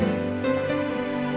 ya kita ke sekolah